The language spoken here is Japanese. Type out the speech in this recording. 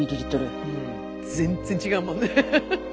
全然違うもんね。